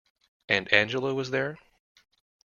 And Angela was there?